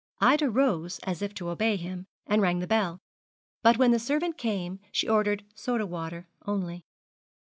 Ida rose as if to obey him, and rang the bell; but when the servant came she ordered soda water only.